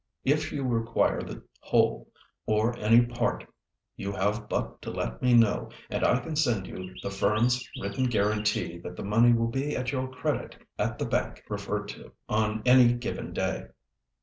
If you require the whole, or any part, you have but to let me know, and I can send you the firm's written guarantee that the money will be at your credit at the bank referred to, on any given day."